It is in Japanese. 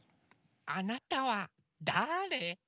あなたはだあれ？